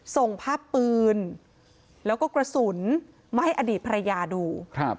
ส่งภาพปืนแล้วก็กระสุนมาให้อดีตภรรยาดู